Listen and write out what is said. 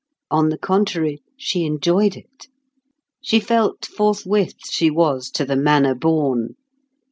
On the contrary, she enjoyed it. She felt forthwith she was to the manner born.